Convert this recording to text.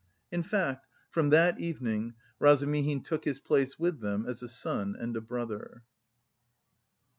In fact from that evening Razumihin took his place with them as a son and a brother.